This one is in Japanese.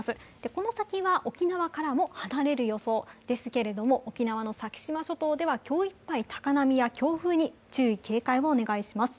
この先は沖縄からも離れる予想ですけれども沖縄の先島諸島では今日いっぱい高波や強風に注意・警戒をお願いします。